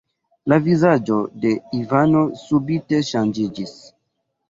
La vizaĝo de Ivano subite ŝanĝiĝis.